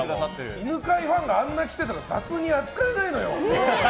犬飼ファンがあんなに来てたら雑に扱えないのよ。